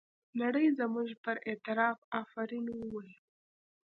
نړۍ زموږ پر اعتراف افرین وویل.